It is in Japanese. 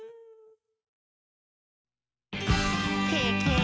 「ケケ！